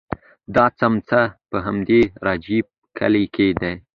دا څمڅه په همدې رجیب کلي کې ده.